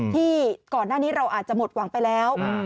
ที่ก่อนหน้านี้เราอาจจะหมดหวังไปแล้ว